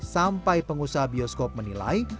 sampai pengusaha bioskop menilai